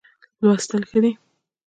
لوستل ښه دی.